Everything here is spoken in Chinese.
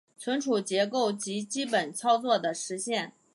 存储结构及基本操作的实现